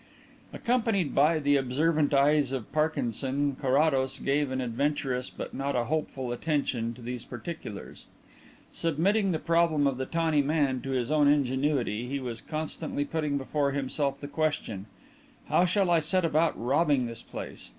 Accompanied by the observant eyes of Parkinson, Carrados gave an adventurous but not a hopeful attention to these particulars. Submitting the problem of the tawny man to his own ingenuity, he was constantly putting before himself the question: How shall I set about robbing this place?